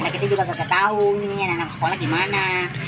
kita juga gak tahu nih anak anak sekolah gimana